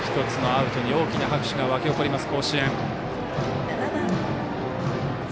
１つのアウトに大きな拍手が沸き起こります、甲子園。